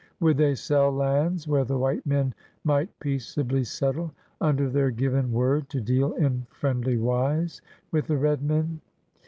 Would they sell lands where the white men might peaceably settle, imder their given word to deal in friendly wise with the red men?